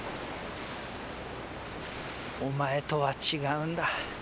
お前とは違うんだ。